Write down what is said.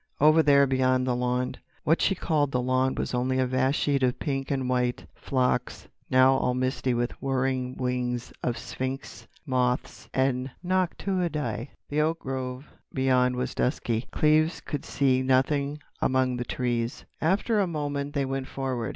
"Over there beyond the lawn." What she called the "lawn" was only a vast sheet of pink and white phlox, now all misty with the whirring wings of sphinx moths and Noctuidæ. The oak grove beyond was dusky. Cleves could see nothing among the trees. After a moment they went forward.